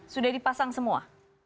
sudah dipasang semua